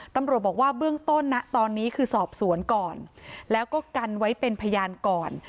ตำรวจบอกว่าเบื้องต้นนะตอนนี้คือสอบสวนก่อนแล้วก็กันไว้เป็นพยานก่อน